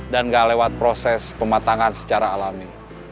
dan gak lewat proses pematangan secara alami